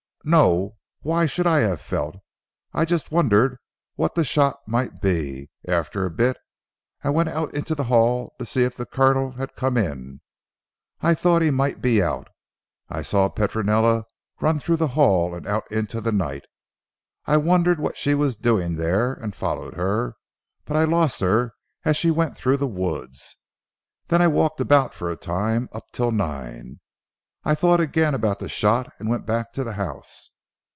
"No. Why should I have felt? I Just wondered what the shot might be. After a bit I went out into the hall to see if the Colonel had come in. I thought he might be out. I saw Petronella run through the hall and out into the night. I wondered what she was doing there, and followed her, but I lost her as she went through the woods. Then I walked about for a time, up till nine. I thought again about the shot and went back to the house.